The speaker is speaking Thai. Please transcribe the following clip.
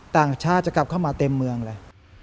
ต่างชาติจะกลับเข้ามาเต็มเมืองเลย